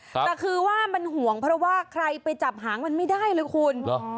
แต่คือว่ามันห่วงเพราะว่าใครไปจับหางมันไม่ได้เลยคุณ